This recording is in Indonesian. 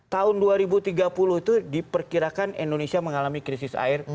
tahun dua ribu tiga puluh itu diperkirakan indonesia mengalami krisis air